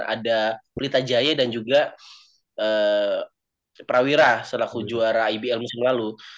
ada berita jaya dan juga eh perawiran selaku juara ibl musim lalu